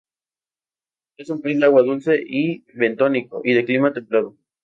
Es un pez de agua dulce y bentónico y de clima templado.